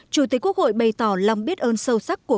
chủ tịch quốc hội bày tỏ lòng biết ơn sâu sắc của các tổ chức